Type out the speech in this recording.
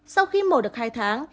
sau khi mổ được hai tháng